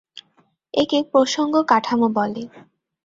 একে প্রসঙ্গ কাঠামো বলে।